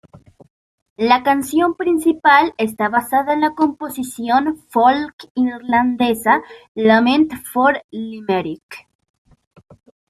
La canción principal está basada en la composición folk irlandesa "Lament for Limerick".